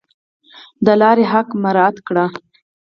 د لارې حق مراعات کړئ